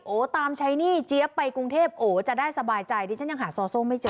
ตามใช้หนี้เจี๊ยบไปกรุงเทพโอ้จะได้สบายใจดิฉันยังหาซอโซ่ไม่เจอ